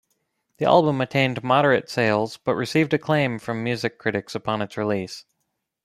The album attained moderate sales, but received acclaim from music critics upon its release.